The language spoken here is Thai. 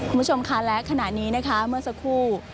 คุณผู้ชมค่ะและขณะนี้นะคะเมื่อสักครู่